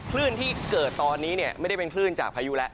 คลื่นที่เกิดตอนนี้ไม่ได้เป็นคลื่นจากพายุแล้ว